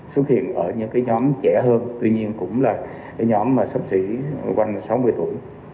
xuất hiện ở những nhóm trẻ hơn tuy nhiên cũng là nhóm sắp xỉ quanh sáu mươi tuổi